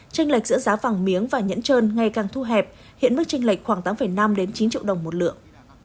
tranh lệch giữa giá vàng miếng và nhẫn trơn ngày càng thu hẹp hiện mức tranh lệch khoảng tám năm chín triệu đồng một lượng